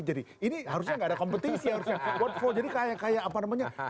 jadi ini harusnya gak ada kompetisi harusnya vote for jadi kayak apa namanya